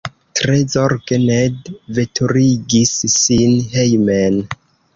Tre zorge Ned veturigis sin hejmen.